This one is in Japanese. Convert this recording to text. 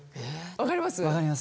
分かります。